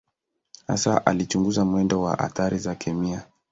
Hasa alichunguza mwendo wa athari za kikemia.